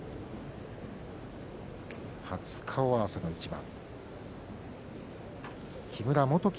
初顔合わせの一番。